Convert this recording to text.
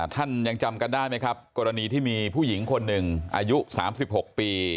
ท่านยังจำกันได้ไหมครับกรณีที่มีผู้หญิงคนหนึ่งอายุ๓๖ปี